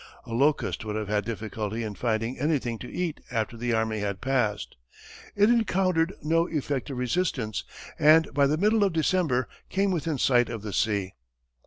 A locust would have had difficulty in finding anything to eat after the army had passed. It encountered no effective resistance, and by the middle of December, came within sight of the sea.